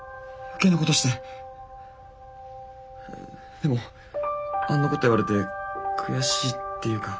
でもあんなこと言われて悔しいっていうか。